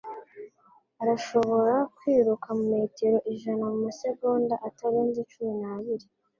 Arashobora kwiruka metero ijana mumasegonda atarenze cumi n'abiri.